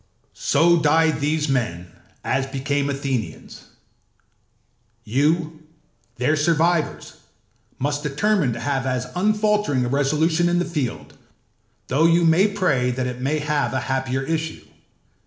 âSo died these men as became Athenians. You, their survivors, must determine to have as unfaltering a resolution in the field, though you may pray that it may have a happier issue.